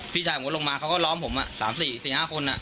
พี่ชายผมก็ลงมาเค้าก็ล้อมผมอ่ะสามสี่สี่ห้าคนอ่ะ